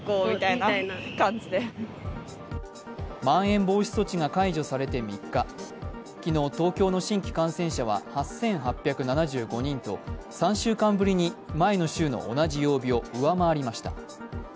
まん延防止措置が解除されて３日昨日東京の新規感染者は８８７５人と３週間ぶりに前の週の同じ曜日を上回りました。